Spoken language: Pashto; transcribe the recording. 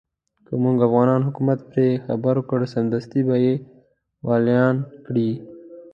که موږ افغان حکومت پرې خبر کړ سمدستي به يې واليان کړي.